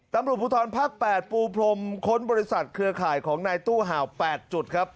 ตำรวจภูทรภาค๘ปูพรมค้นบริษัทเครือข่ายของนายตู้ห่าว๘จุดครับ